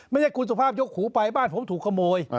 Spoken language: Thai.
ไม่ใช่คุณสุภาพยกหูไปบ้านผมถูกขโมย